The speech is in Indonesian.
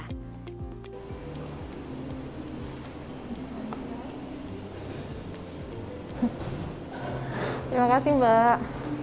terima kasih mbak